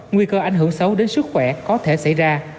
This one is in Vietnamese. nguy cơ ảnh hưởng xấu đến sức khỏe có thể xảy ra